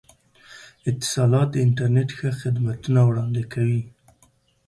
اتصالات د انترنت ښه خدمتونه وړاندې کوي.